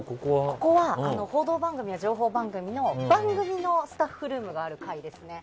ここは報道番組や情報番組の番組のスタッフルームがある階ですね。